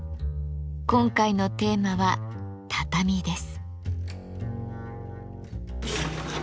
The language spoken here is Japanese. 今回のテーマは「畳」です。